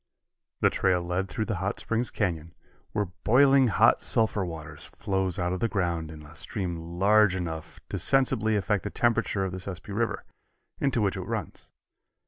The trail led through the Hot Springs Canyon, where boiling hot sulphur water flows out of the ground in a stream large enough to sensibly affect the temperature of the Sespe River, into which it runs.